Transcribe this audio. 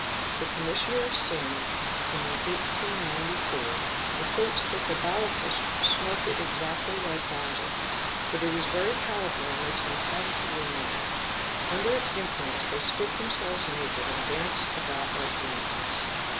The 'Commissioner of Sind in 1894, (Lyon, p. 577), reports that the Baluchis smoke it exactly like ganja. " But it is very powerful and makes them positively mad. Under its influence they strip themselves naked and " dance'about like lunatics".